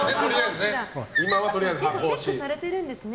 チェックされてるんですね。